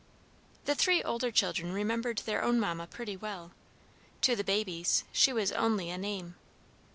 The three older children remembered their own mamma pretty well; to the babies, she was only a name.